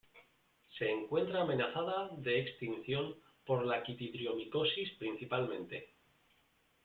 Se encuentra amenazada de extinción por la quitridiomicosis principalmente.